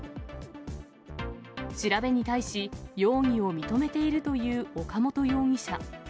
調べに対し、容疑を認めているという岡本容疑者。